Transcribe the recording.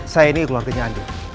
saya ini keluarganya andin